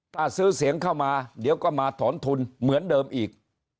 ถ้าซื้อเสียงเข้ามาเดี๋ยวก็มาถอนทุนเหมือนเดิมอีก